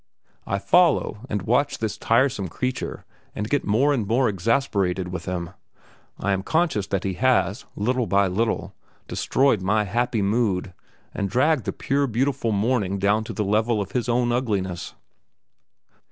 I follow and watch this tiresome creature and get more and more exasperated with him, I am conscious that he has, little by little, destroyed my happy mood and dragged the pure, beautiful morning down to the level of his own ugliness.